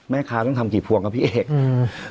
ต้องทำกี่พวงครับพี่เอกอืม